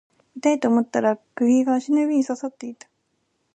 痛いと思ったら釘が足の指に刺さっていた